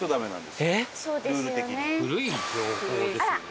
古い情報ですね。